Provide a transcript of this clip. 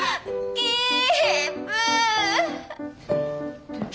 キープ！